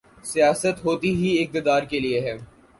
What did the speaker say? سیاست ہوتی ہی اقتدار کے لیے ہے۔